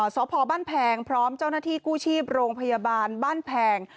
สพบ้านแพงพร้อมเจ้าหน้าที่กู้ชีพโรงพยาบาลบ้านแพง